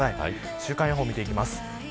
週間予報を見ていきます。